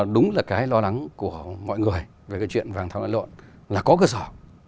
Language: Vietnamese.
đúng là cái lo lắng của mọi người về câu chuyện vàng thao lẫn lộn là có cơ sở